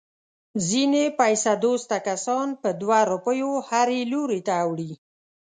ځنې پیسه دوسته کسان په دوه روپیو هر لوري ته اوړي.